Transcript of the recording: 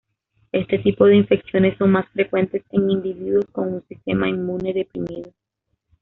Este tipo de infecciones son más frecuentes en individuos con un sistema inmune deprimido.